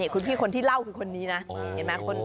คุณพี่คนที่เล่าคือคนนี้นะเห็นไหม